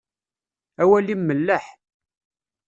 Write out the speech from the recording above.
Awal-im melleḥ.